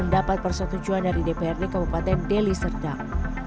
dan mendapat persetujuan dari dprd kepupatan deli serdang